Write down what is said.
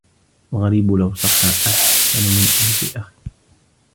الغريب لو صح أحسن من ألف أخ.